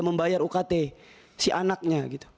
membayar ukt si anaknya